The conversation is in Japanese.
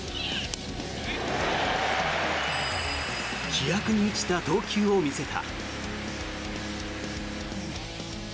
気迫に満ちた投球を見せた。